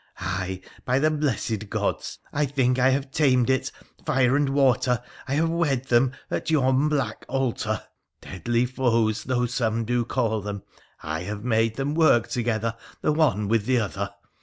Ah, by the blessed gods ! I think I have tamed it — fire and water, I have wed them at yon black altar — deadly foes though some do call them, I have made them work together, the one with the other.